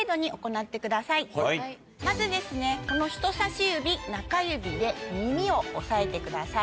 まず人さし指中指で耳を押さえてください。